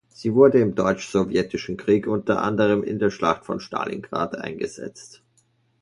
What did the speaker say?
Sie wurde im Deutsch-Sowjetischen Krieg unter anderem in der Schlacht von Stalingrad eingesetzt.